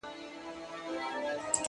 تاته سوغات د زلفو تار لېږم باڼه ؛نه کيږي؛